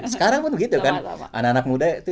sekarang pun begitu kan anak anak muda itu